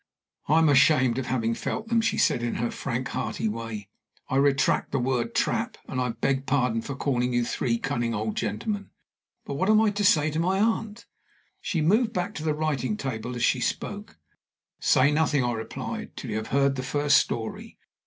"I am ashamed of having felt them," she said, in her frank, hearty way. "I retract the word 'trap,' and I beg pardon for calling you 'three cunning old gentlemen.' But what am I to say to my aunt?" She moved back to the writing table as she spoke. "Say nothing," I replied, "till you have heard the first story.